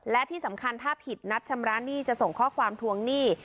และที่สำคัญถ้าผิดนัดชำระหนี้จะส่งข้อความทวงหนี้